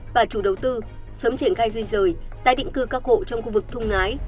và chủ đầu tư sớm triển khai di rời tái định cư các hộ trong khu vực thung ngái